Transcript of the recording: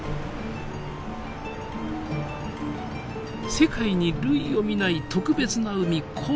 世界に類を見ない特別な海紅海。